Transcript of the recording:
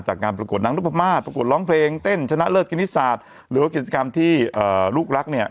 งานประกวดนางนพมาศประกวดร้องเพลงเต้นชนะเลิศกินิศาสตร์หรือว่ากิจกรรมที่ลูกรักเนี่ย